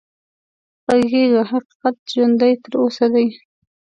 غږېږه حقيقت ژوندی تر اوسه دی